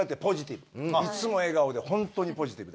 いつも笑顔でホントにポジティブで。